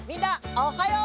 おはよう！